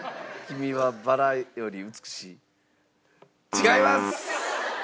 違います！